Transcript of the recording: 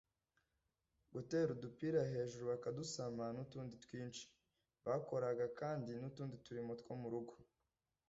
Guterera udupira hejuru bakadusama N’utundi twinshi. bakoraga kandi N’uturimo two mu rugo rwabo,